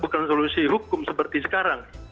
bukan solusi hukum seperti sekarang